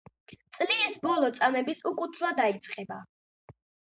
წლის ბოლო წამების უკუთვლა დაიწყება.